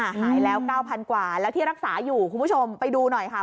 หายแล้วเก้าพันกว่าแล้วที่รักษาอยู่คุณผู้ชมไปดูหน่อยค่ะ